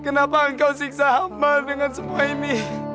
kenapa engkau siksa hamba dengan semua ini